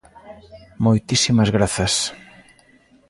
Moitísimas grazas.